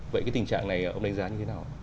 vậy cái tình trạng này ông đánh giá như thế nào